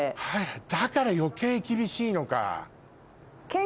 だから余計厳しいのか。